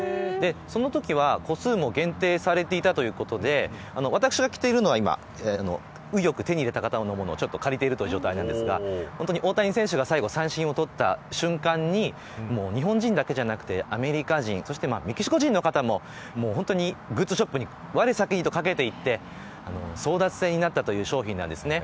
そのときは個数も限定されていたということで私が着ているのは今、運良く手に入れた方の物を借りている状態なのですが大谷選手が最後に三振を取った瞬間に日本人だけではなくてアメリカ人そしてメキシコ人の方もグッズショップにわれ先にと駆けていって争奪戦になったという商品です。